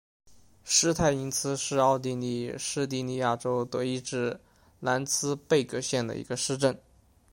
施泰因茨是奥地利施蒂利亚州德意志兰茨贝格县的一个市镇。